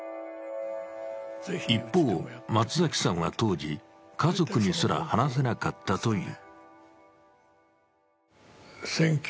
一方、松崎さんは当時、家族にすら話せなかったという。